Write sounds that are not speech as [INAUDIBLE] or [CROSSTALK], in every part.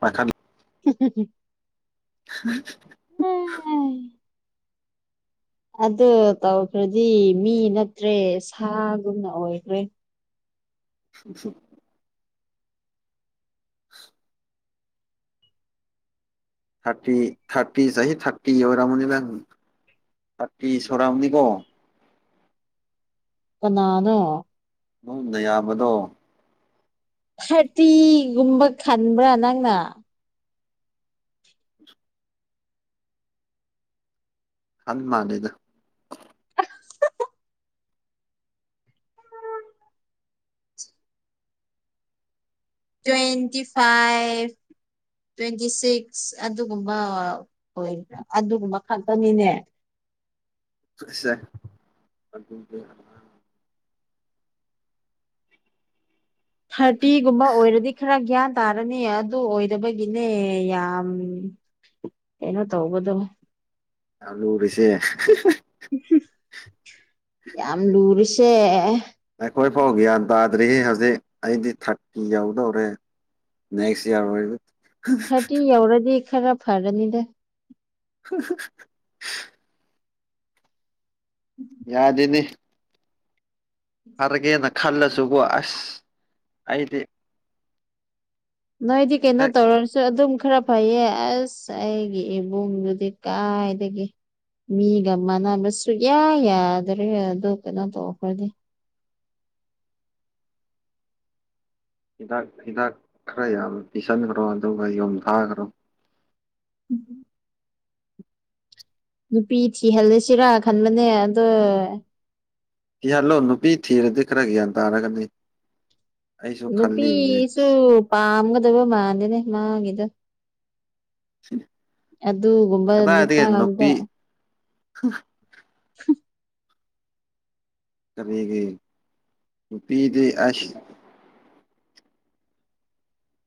ꯃꯈ ꯑꯣ [UNINTELLIGIBLE] ꯑꯗꯨ ꯇꯧꯈ꯭ꯔꯗꯤ ꯃꯤ ꯅꯠꯇ꯭ꯔꯦ ꯁꯥꯒꯨꯝꯅ ꯑꯣꯏꯈ꯭ꯔꯦ [UNINTELLIGIBLE] [UNINTELLIGIBLE] ꯊꯥꯔꯇꯤ ꯊꯥꯔꯇꯤ ꯆꯍꯤ ꯊꯥꯔꯇꯤ ꯑꯣꯔꯥꯃꯅꯤꯕ ꯊꯥꯔꯇꯤꯁꯣꯔꯥ ꯑꯃꯅꯤꯀꯣ ꯀꯅꯥꯅꯣ ꯅꯪ ꯅꯥꯌꯝꯕꯗꯣ ꯊꯥꯔꯇꯤꯒꯨꯝꯕ ꯈꯟꯕ꯭ꯔꯥ ꯅꯪꯅ ꯍꯟ ꯃꯥꯅꯦꯗ ꯇ꯭ꯋꯦꯟꯇꯤ ꯐꯥꯏꯚ ꯇ꯭ꯋꯦꯟꯇꯤ ꯁꯤꯛꯁ ꯑꯗꯨꯒꯨꯝꯕ ꯍꯣꯏ ꯑꯗꯨꯒꯨꯝꯕ ꯈꯛꯇꯅꯤꯅꯦ ꯁꯦ ꯑꯗꯨ ꯊꯇꯤꯒꯨꯝꯕ ꯑꯣꯏꯔꯗꯤ ꯈꯔ ꯒ꯭ꯌꯥꯟ ꯇꯥꯔꯅꯤ ꯑꯗꯨ ꯑꯣꯏꯕꯒꯤꯅꯦ ꯌꯥꯝ ꯑꯦꯩꯅꯣ ꯇꯧꯕꯗꯣ ꯆꯂꯨ ꯎꯔꯤꯁꯦ ꯌꯥꯝ ꯂꯨꯔꯁꯦ ꯑꯩꯈꯣꯏ ꯐꯥꯎ ꯒ꯭ꯌꯥꯟ ꯇꯥꯗ꯭ꯔꯤ ꯍꯧꯖꯤꯛ ꯑꯩꯗꯤ ꯊꯔꯀꯤꯤ ꯌꯎꯗꯧꯔꯦ ꯅꯦꯛꯁ ꯏꯌꯥꯔ ꯑꯣꯏ ꯊꯇꯤ ꯑꯦꯧꯔꯗꯤ ꯏ ꯈꯔ ꯐꯔꯅꯤꯗ [UNINTELLIGIBLE] ꯌꯥꯗꯗꯤꯅꯤ ꯐꯔꯒꯦꯅ ꯈꯜꯂꯁꯨꯕꯨ ꯑꯁ ꯑꯩꯗꯤ ꯅꯣꯏꯗꯤ ꯀꯩꯅꯣ ꯍꯦꯛ ꯇꯧꯔꯔꯁꯨ ꯑꯗꯨꯝ ꯈꯔ ꯐꯩꯌꯦ ꯑꯁ ꯑꯩꯒꯤ ꯏꯕꯨꯡꯗꯨꯗꯤ ꯀꯥꯏꯗꯒꯤꯦ ꯃꯤꯒ ꯃꯥꯟꯅꯕ ꯁꯨꯛꯌꯥ ꯌꯥꯗ꯭ꯔꯦ ꯑ ꯀꯩꯅꯣ ꯇꯧꯈꯗꯤ [INAUDIBLE] ꯍꯤꯗꯥꯛ ꯍꯤꯗꯥꯛ ꯈꯔ ꯌꯥꯝ ꯄꯤꯁꯟꯈ꯭ꯔꯣ ꯑꯗꯨꯒ ꯌꯣꯊꯥꯈ꯭ꯔꯣ ꯅꯨꯄꯤ ꯊꯤꯍꯜꯂꯁꯤꯔꯥ ꯈꯟꯕꯅꯦ ꯑꯗꯣ ꯁꯤ ꯍꯜꯂꯣꯅ ꯅꯨꯄꯤ ꯊꯤꯔꯗꯤ ꯈꯔꯒ ꯌꯥꯝ ꯇꯥꯔ ꯀꯅꯤ ꯅꯨꯄꯤꯁꯨ ꯄꯥꯝꯒꯗꯕ ꯃꯥꯟꯗꯦꯅꯦ ꯃꯥꯒꯤꯗ ꯑꯗꯨꯒꯨꯝꯕ ꯅꯨꯄꯥ ꯑꯃꯗ ꯍ [UNINTELLIGIBLE] ꯀꯔꯤꯒ ꯌꯨ ꯄꯄꯤꯗꯤ ꯑꯁ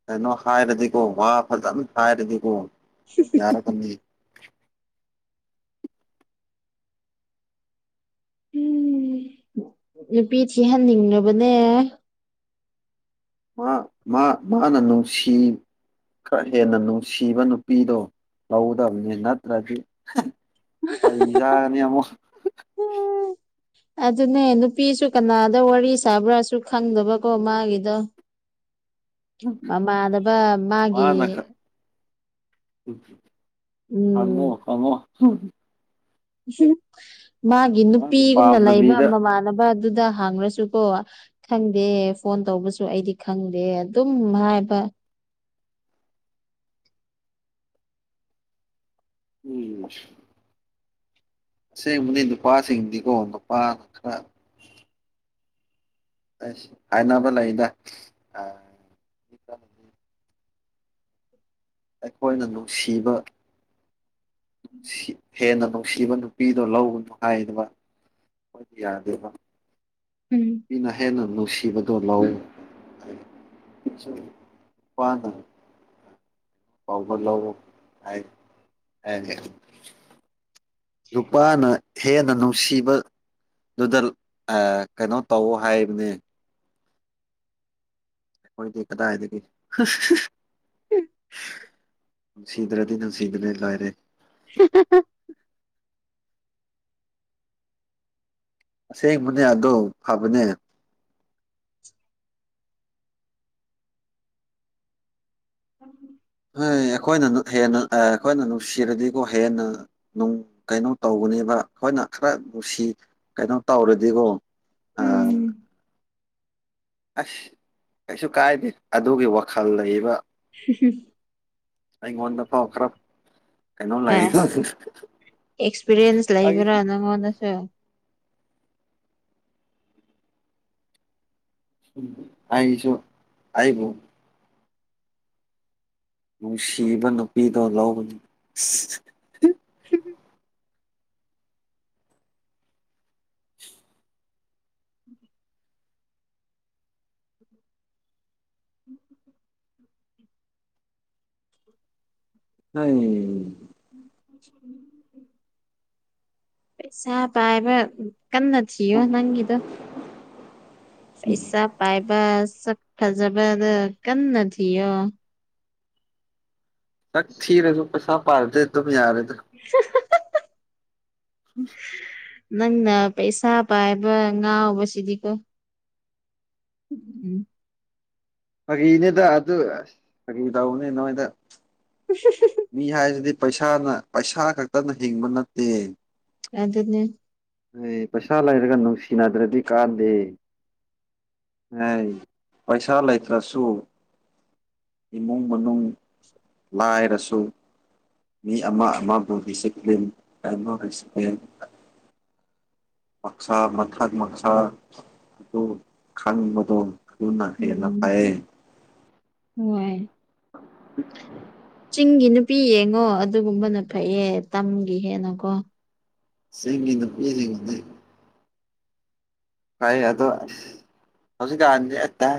ꯀꯩꯅꯣ ꯍꯥꯏꯔꯗꯤꯀꯣ ꯋꯥ ꯐꯖꯅ ꯍꯥꯏꯔꯗꯤꯀꯣ ꯑꯗꯨꯝ ꯌꯥꯔꯒꯅꯤ ꯎꯝ ꯅꯨꯄꯤ ꯊꯤꯍꯟꯅꯤꯡꯕꯅꯦ ꯃꯥ ꯃꯥ ꯃꯥꯅ ꯅꯨꯡꯁꯤ ꯈꯔ ꯍꯦꯟꯅ ꯅꯨꯡꯁꯤꯕ ꯅꯨꯄꯤꯗꯣ ꯂꯧꯒꯗꯕꯅꯤ ꯅꯠꯇ꯭ꯔꯗꯤ ꯑꯩꯩꯖꯅꯤ ꯌꯥꯝꯃꯛ ꯑꯗꯨꯅꯦ ꯅꯨꯄꯤꯁꯨ ꯀꯅꯥꯗ ꯋꯥꯔꯤ ꯁꯥꯕ꯭ꯔꯥꯁꯨ ꯈꯪꯗꯕꯀꯣ ꯃꯥꯒꯤꯗ [UNINTELLIGIBLE] ꯃꯃꯥꯗꯕ ꯃꯥꯒꯤ ꯐꯪꯉꯣ ꯀꯉꯣ ꯎ ꯃꯥꯒꯤ ꯃꯥꯅ ꯅꯨꯄꯤꯒꯨꯝꯅ ꯂꯩꯕ ꯄꯥꯝꯗꯕꯤꯗ ꯃꯃꯥꯟꯅꯕ ꯑꯗꯨꯗ ꯍꯥꯡꯉ꯭ꯔꯁꯨꯀꯣ ꯈꯪꯗꯦ ꯐꯣꯟ ꯇꯧꯕꯁꯨ ꯑꯩꯗꯤ ꯈꯪꯗꯦ ꯑꯗꯨꯝ ꯍꯥꯏꯕ ꯑ ꯎꯝ ꯑꯁꯦꯡꯕꯅꯤ ꯅꯨꯄꯥꯁꯤꯡꯗꯤꯀꯣ ꯅꯨꯄꯥꯅ ꯈꯔ ꯑꯁ ꯍꯥꯏꯅꯕ ꯂꯩꯗ ꯑ ꯑꯩꯈꯣꯏꯅ ꯅꯨꯡꯁꯤꯕ ꯍꯦꯟꯅ ꯅꯨꯡꯁꯤꯕ ꯅꯨꯄꯤꯗꯣ ꯂꯒꯅꯨ ꯍꯥꯏꯗꯅ ꯃꯗꯤ ꯌꯥꯗꯦꯕ ꯎꯝ ꯄꯅ ꯍꯦꯟꯅ ꯅꯨꯡꯁꯤꯕꯗꯣ ꯂꯥꯎꯄꯥꯅ ꯄꯕ ꯂ ꯍꯥꯏ ꯍꯥꯏ ꯅꯨꯄꯥꯅ ꯍꯦꯟꯅ ꯅꯨꯡꯁꯤꯕ ꯑꯗꯨꯗ ꯀꯩꯅꯣ ꯇꯧ ꯍꯥꯏꯕꯅꯦ ꯑꯩꯗꯤ ꯀꯗ ꯍꯥꯏ ꯊ ꯅꯨꯡꯁꯤꯗ ꯔꯗꯤ ꯅꯅꯨꯡꯁꯤꯗꯅꯦ ꯂꯥꯏꯅꯦꯦ ꯁꯤꯀꯁꯨ ꯑꯁꯦꯡꯕꯅꯦ ꯑꯗꯣ ꯐꯕꯅꯦ ꯎꯝꯝ ꯍꯣꯏ ꯑꯩꯈꯣꯏꯅ ꯍꯦꯟꯅ ꯑꯩꯈꯣꯏꯅ ꯅꯨꯡꯁꯤꯔꯗꯤꯀꯣ ꯍꯦꯟꯅ ꯅꯨꯡ ꯀꯩꯅꯣ ꯇꯧꯒꯅꯦꯕ ꯑꯩꯈꯣꯏꯅ ꯈꯔ ꯅꯨꯡꯁꯤ ꯀꯩꯅꯣ ꯇꯧꯔꯗꯤꯀꯣ ꯎꯝ ꯑꯁ ꯀꯩꯁꯨ ꯀꯥꯏꯗꯦ ꯑꯗꯨꯒꯤ ꯋꯥꯈꯜ ꯂꯩꯕ ꯁꯤꯁꯨ ꯑꯩꯉꯣꯟꯗ ꯐꯥꯎ ꯈꯔ ꯀꯩꯅꯣ ꯑꯦ ꯂꯩꯗꯣ ꯑꯦꯛꯁꯄꯤꯔꯤꯌꯦꯟꯁ ꯂꯩꯕ꯭ꯔꯥ ꯅꯪꯉꯣꯟꯅꯁꯨ ꯍꯥꯏꯁꯨ ꯑꯕꯣ ꯅꯨꯡꯁꯤꯕ ꯅꯨꯄꯤꯗꯣ ꯂꯧꯕꯅꯤ ꯎ ꯄꯩꯁꯥ ꯄꯥꯏꯕ ꯀꯟꯅ ꯊꯣ ꯅꯪꯒꯤꯤꯗꯣ ꯄꯩꯁꯥ ꯄꯥꯏꯕ ꯁꯥꯖꯕꯔ ꯀꯝ ꯅ ꯊꯣ ꯆꯛ ꯊꯔꯦꯁꯨ ꯄꯩꯁꯥ ꯄꯥꯔꯗ ꯑꯗꯨꯃꯤ ꯌꯥꯔꯦꯗ ꯎꯝ ꯅꯪꯅ ꯄꯩꯁꯥ ꯄꯥꯏꯕ ꯉꯥꯎꯕꯁꯤꯗꯤꯀꯣ ꯎꯝ ꯎꯝ ꯐꯥꯒꯤꯅꯦꯗ ꯑꯗꯨ ꯑꯁ ꯐꯥꯒꯤ ꯇꯧꯕꯅꯤ ꯅꯣꯏꯗ ꯃꯤ ꯍꯥꯏꯁꯤꯗꯤ ꯄꯩꯁꯥꯅ ꯄꯩꯁꯥ ꯈꯛꯇꯅ ꯍꯤꯡꯕ ꯅꯠꯇꯦ ꯑꯗꯅꯦ ꯍ ꯄꯩꯁꯥ ꯂꯩꯔꯒ ꯅꯨꯡꯁꯤꯅꯗ꯭ꯔꯗꯤ ꯀꯥꯟꯅꯗꯦ ꯑꯦ ꯄꯩꯁꯥ ꯂꯩꯇ꯭ꯔꯁꯨ ꯏꯃꯨꯡ ꯃꯅꯨꯡ ꯂꯥꯏꯔꯁꯨ ꯃꯤ ꯑꯃ ꯑꯃꯕꯨ ꯁꯤꯄ꯭ꯂꯤꯟ ꯍꯥꯏꯃ ꯁꯤꯄ꯭ꯂꯤꯟ ꯃꯛꯁꯥ ꯃꯊꯛ ꯃꯛꯁꯥ ꯑꯗꯨ ꯈꯥꯡꯅꯤꯡꯕꯗꯣ ꯊꯅꯅꯥꯈꯩꯅ ꯐꯑ ꯍꯏ ꯆꯤꯡꯒꯤ ꯅꯨꯄꯤ ꯌꯦꯡꯉꯣ ꯑꯗꯨꯒꯨꯝꯕꯅ ꯐꯩꯌꯦ ꯇꯝꯒꯤ ꯍꯦꯟꯅꯀꯣ ꯁꯤꯒꯤꯅ ꯄꯦ ꯁꯒꯅꯦ ꯀꯥꯏ ꯑꯗꯣ ꯍꯧ ꯑꯠꯇ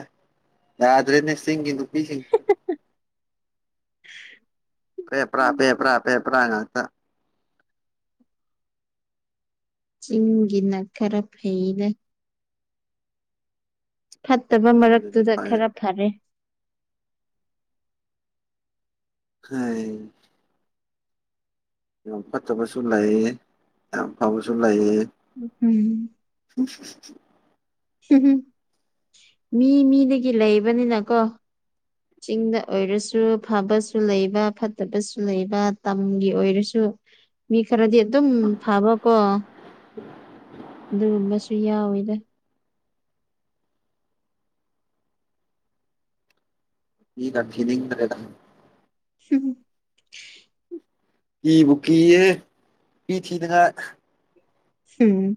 ꯌꯥꯗ꯭ꯔꯦ ꯅꯦꯛꯗꯨ [INAUDIBLE] [INAUDIBLE] ꯄꯦꯄꯔꯥ ꯄꯦꯄꯔꯥ ꯄꯦꯄꯔꯥ ꯉꯥꯛꯇ ꯆꯤꯡꯒꯤꯅ ꯈꯔ ꯐꯩꯅꯦ ꯐꯠꯇꯕ ꯆꯤꯡꯗꯗꯤ ꯃꯔꯛꯇꯨꯗ ꯐꯩ ꯈꯔ ꯐꯔꯦ ꯍꯥꯏ ꯌꯥꯝ ꯐꯠꯇꯕꯁꯨ ꯂꯩꯌꯦ ꯌꯥꯝ ꯐꯕꯁꯨ ꯂꯩꯌꯦ ꯎꯝ [UNINTELLIGIBLE] ꯃꯤ ꯃꯤꯗꯒꯤ ꯂꯩꯕꯅꯤꯅꯀꯣ ꯆꯤꯡꯗ ꯑꯣꯏꯔꯁꯨ ꯐꯕꯁꯨ ꯂꯩꯕ ꯐꯠꯇꯕꯁꯨ ꯂꯩꯕ ꯇꯝꯒꯤ ꯑꯣꯏꯔꯁꯨ ꯃꯤ ꯈꯔꯗꯤ ꯑꯦ ꯑꯗꯨꯝ ꯐꯥꯕ ꯀꯣ [INAUDIBLE] ꯑꯗꯨꯒꯨꯝꯕꯁꯨ ꯌꯥꯎꯋꯤꯗ ꯐꯤꯂꯤꯡꯗ ꯂꯩꯗ ꯎꯝ ꯀꯤꯕꯨ ꯀꯤꯌꯦ ꯅꯨꯄꯤ ꯊꯤꯗꯅ ꯍꯝ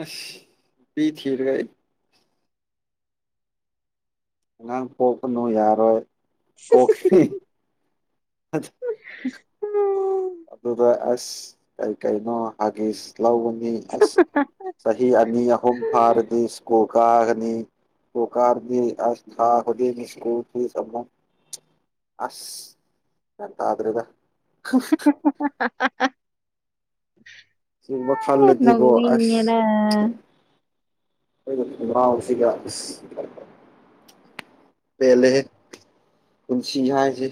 ꯑꯁ ꯄꯤ ꯊꯔꯒꯦ ꯑꯉꯥꯡ ꯄꯣꯛꯀꯅꯨ ꯌꯥꯔꯣꯏ ꯄꯣꯛꯈꯤ ꯑꯁ ꯑꯗꯨꯗ ꯑꯁ ꯀꯩ ꯀꯩꯅꯣ ꯍꯥꯏ ꯂꯧꯒꯅꯤ ꯑꯁ ꯆꯍꯤ ꯑꯅꯤ ꯑꯍꯨꯝ ꯐꯥꯔꯗꯤ ꯀꯣ ꯀꯥꯅꯤ ꯀꯣ ꯀꯥꯔꯅꯤ ꯑꯁ ꯊ ꯁꯨꯃ ꯑꯁ ꯒ꯭ꯌꯥ ꯇꯥꯗ꯭ꯔꯦꯗ ꯁꯤꯒꯨꯝꯕ ꯈꯜꯂꯗꯤꯀꯣ ꯅꯣꯡꯅꯤꯡꯉꯦꯗ ꯁꯤ ꯀ ꯄꯦꯂꯦ ꯄꯨꯟꯁꯤ ꯌꯥꯏꯁꯦ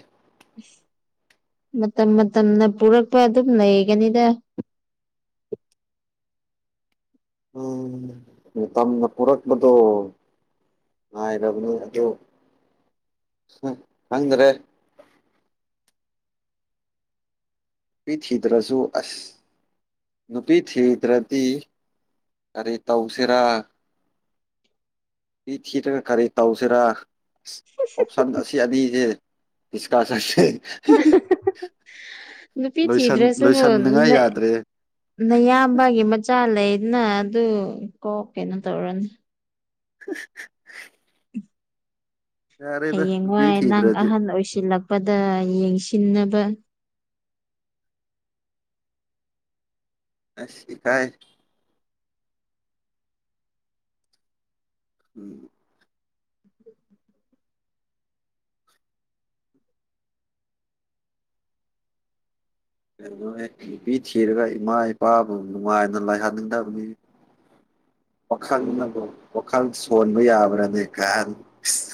ꯃꯇꯝ ꯃꯇꯝꯅ ꯄꯨꯔꯛꯄ ꯑꯗꯨꯝ ꯂꯩꯒꯅꯤꯗ ꯎꯝ ꯃꯇꯝꯅ ꯄꯨꯔꯛꯄꯗꯣ ꯉ ꯔꯕꯅꯨ ꯑꯗꯨ ꯈꯪꯗ꯭ꯔꯦ ꯄꯤ ꯊꯤꯗ ꯔꯖꯨ ꯑꯁ ꯅꯨꯄꯤ ꯊꯤꯗ꯭ꯔꯗꯤ ꯀꯔꯤ ꯇꯧꯁꯤꯔꯥ ꯄ ꯊꯤꯌꯦꯇꯔ ꯀꯔꯤ ꯇꯧꯁꯤꯔꯥ ꯑꯣꯞꯁꯟ ꯑꯁꯤ ꯑꯅꯤꯁꯦ ꯏꯤꯁꯀꯥꯁꯥꯁ ꯅꯨꯄꯤ ꯊꯤꯗ꯭ꯔꯁꯨ ꯌꯥꯗ꯭ꯔꯦ ꯅꯌꯥꯝꯕꯒꯤ ꯃꯆꯥ ꯂꯩ ꯅ ꯑꯗꯨ ꯀꯣ ꯀꯩꯅꯣ ꯇꯧꯔꯣꯅꯤ [INAUDIBLE] ꯌꯥꯔꯦꯗ ꯅꯨꯄꯤ ꯍꯌꯦꯡꯋꯥꯏ ꯅꯪ ꯊꯤꯗ꯭ꯔꯗꯤ ꯑꯍꯜ ꯑꯣꯏꯁꯤꯜꯂꯛꯄꯗ ꯌꯦꯡꯁꯤꯟꯅꯕ ꯑ ꯀꯥꯏꯥꯏ ꯎꯝ ꯀꯅꯣ ꯅꯨꯄꯤ ꯊꯤꯔꯒ ꯏꯃꯥ ꯏꯄꯥꯕꯨ ꯅꯨꯡꯉꯥꯏꯅ ꯂꯥꯏꯍꯟꯅꯤꯡꯗꯕꯅꯤ ꯋꯥꯈꯜꯅꯕꯨ ꯋꯥꯈꯜ ꯁꯣꯟꯕ ꯌꯥꯕ꯭ꯔꯥꯅꯦ ꯀ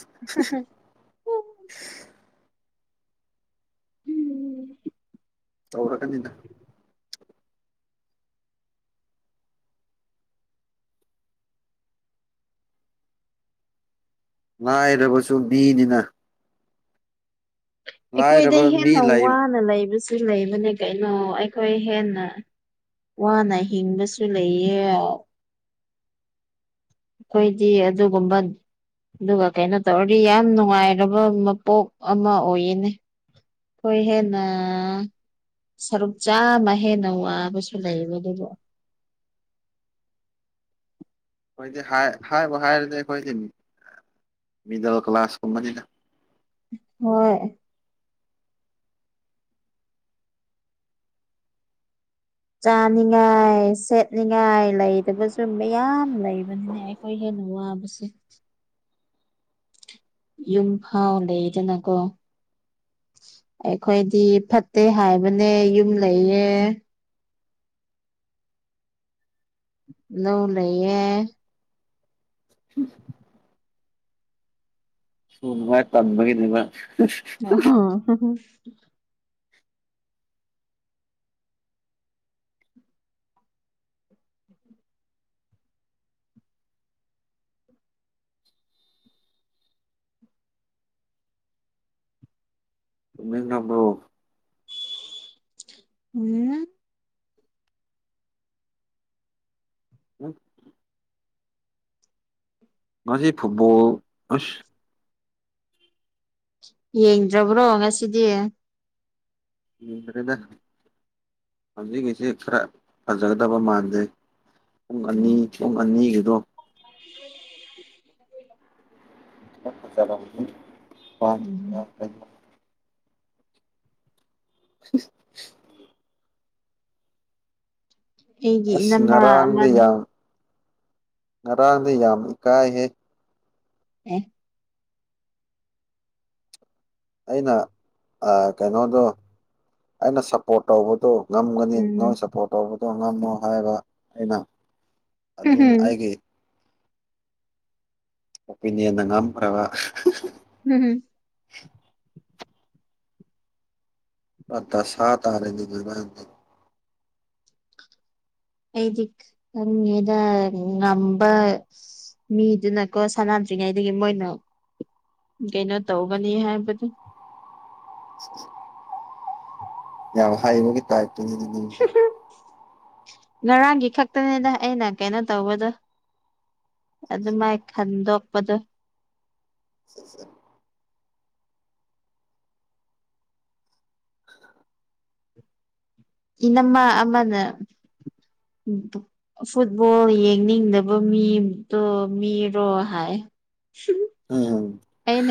[UNINTELLIGIBLE] [UNINTELLIGIBLE] ꯇꯧꯔꯒꯅꯤꯅ ꯂꯥꯏꯔꯕꯁꯨ ꯃꯤꯅꯤꯅ ꯑꯩꯈꯣꯏꯗ ꯂꯥꯏꯔꯕ ꯃꯤ ꯍꯦꯟꯅ ꯂꯩ ꯋꯥꯅ ꯂꯩꯕꯁꯨ ꯂꯩꯕꯅꯦ ꯀꯩꯅꯣ ꯑꯩꯈꯣꯏ ꯍꯦꯟꯅ ꯋꯥꯅ ꯍꯤꯡꯕꯁꯨ ꯂꯩꯌꯦ ꯑꯩꯈꯣꯏꯗꯤ ꯑꯗꯨꯒꯨꯝꯕ ꯑꯗꯨꯒ ꯀꯩꯅꯣ ꯇꯧꯔꯗꯤ ꯌꯥꯝ ꯅꯨꯡꯉꯥꯏꯔꯕ ꯃꯄꯣꯛ ꯑꯃ ꯑꯣꯏꯌꯦꯅꯦ ꯀꯣꯏ ꯍꯦꯟꯅ ꯁꯔꯨꯛ ꯆꯥꯃ ꯍꯦꯟꯅ ꯋꯥꯕꯁꯨ ꯂꯩꯕ ꯑꯗꯨꯕꯨ [UNINTELLIGIBLE] ꯑꯩꯈꯣꯏꯗꯤ ꯍꯥꯏꯕ ꯍꯥꯏꯔꯗꯤ ꯑꯩꯈꯣꯏꯁꯤꯅꯤ ꯃꯤꯗꯜ ꯀ ꯀ꯭ꯂꯥꯁ ꯀꯕꯅꯤ ꯍꯣꯏꯣꯏ ꯆꯥꯅꯤꯡꯉꯥꯏ ꯁꯦꯠꯅꯤꯡꯉꯥꯏ ꯂꯩꯗꯕ ꯆꯨꯝꯃꯦ ꯌꯥꯝꯌꯥꯝ ꯂꯩꯕꯅꯤꯅꯦ ꯑꯩꯈꯣꯏ ꯍꯦꯟꯅ ꯋꯥꯕꯁꯦ ꯌꯨꯝꯐꯥ ꯂꯩꯦ ꯆꯟꯅꯀꯣ ꯑꯩꯈꯣꯏꯗꯤ ꯐꯠꯇꯦ ꯍꯥꯏꯕꯅꯦ ꯌꯨꯝ ꯂꯩꯌꯦ ꯂꯧ ꯂꯩꯌꯦ ꯎꯝ ꯁꯨꯝꯃꯥꯏ ꯇꯞꯃꯒꯤꯗꯤꯕ ꯍ ꯍ ꯇꯨꯝꯅꯤꯡꯉꯕ꯭ꯔꯣ ꯎꯝ ꯃꯥꯁꯤ ꯐꯨꯠꯕꯣꯜ ꯑꯁ ꯌꯦꯡꯗ꯭ꯔꯕ꯭ꯔꯣ ꯉꯁꯤꯗꯤ ꯌꯦꯡꯗ꯭ꯔꯦꯗ ꯍꯧꯖꯤꯉꯤꯁꯤ ꯈꯔ ꯐꯖꯒꯗꯕ ꯃꯥꯟꯗꯦ ꯄꯨꯡ ꯑꯅꯤ ꯄꯨꯡ ꯑꯅꯤꯒꯤꯗꯣ ꯎꯝ ꯆꯇ [UNINTELLIGIBLE] ꯑꯩꯒꯤ ꯑꯁ ꯏꯅꯝꯃ ꯉꯔꯥꯡꯗ ꯑꯃꯟ ꯌꯥꯝ ꯉꯔꯥꯡꯗ ꯌꯥꯝ ꯏꯀꯥꯏꯍꯦ ꯎ ꯑꯩꯅ ꯀꯩꯅꯣꯗꯣ ꯑꯩꯅ ꯁꯞꯄꯣꯔꯠ ꯇꯧꯕꯗꯣ ꯉꯝꯒꯅꯤ ꯎꯝ ꯅꯣꯏ ꯁꯞꯄꯣꯔꯠ ꯇꯧꯕꯗꯣ ꯉꯝꯃꯣ ꯍꯥꯏꯕ ꯑꯩꯅ ꯑꯗꯅ ꯑꯒꯦ ꯀꯄꯤꯅꯤ ꯅꯪ ꯉꯝ ꯀ꯭ꯔꯕ ꯍꯝ ꯑꯗ ꯁꯥ ꯑꯔꯦꯟꯗꯤꯒꯃꯗ ꯑꯩꯗꯤꯦꯗ ꯅꯝꯕ ꯃꯤꯗꯨꯅꯀꯣ ꯁꯥꯟꯅꯗ꯭ꯔꯤꯉꯩꯗꯒꯤ ꯃꯣꯏꯅ ꯀꯩꯅꯣ ꯇꯧꯒꯅꯤ ꯍꯥꯏꯕꯗꯨ ꯌꯥ ꯍꯩꯕꯒꯤ ꯇꯥꯏ ꯉꯔꯥꯡꯒꯤ ꯈꯛꯇꯅꯤꯅ ꯑꯩꯅ ꯀꯩꯅꯣ ꯇꯧꯕꯗ ꯑꯗꯨ ꯃꯥꯏ ꯈꯟꯗꯣꯛꯄꯗꯣ [UNINTELLIGIBLE] [UNINTELLIGIBLE] ꯏꯅꯃ ꯑꯃꯅꯦ ꯐꯨꯠꯕꯣꯜ ꯌꯦꯡꯅꯤꯡꯗꯕ ꯃꯤꯗꯣ ꯃꯤꯔꯣ ꯍꯥꯏ ꯎꯝꯝ ꯑꯩꯅ